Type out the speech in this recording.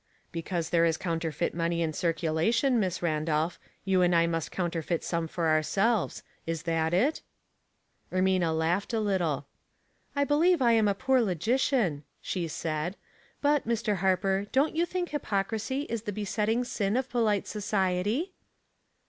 *' Because there is counterfeit money in circu lation. Miss Randolph, you and I must counter feit some for ourselves. Is that it ?" Ermina laughed a little. "I believe I am a poor logician," she said. "But, Mr. Harper, don't you think hypocrisy is the besetting sin of polite society